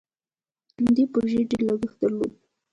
دې پروژې ډیر لګښت درلود.